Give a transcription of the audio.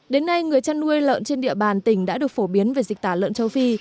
đến nay người chăn nuôi lợn trên địa bàn tỉnh đã được phổ biến về dịch tả lợn châu phi